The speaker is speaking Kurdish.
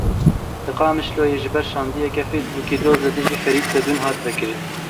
Li Qamişloyê ji ber şandiyeke Facebookê doz li dijî Ferîd Sedûn hat vekirin.